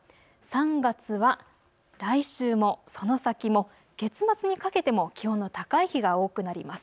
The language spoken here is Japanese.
３月は来週も、その先も、月末にかけても気温の高い日が多くなります。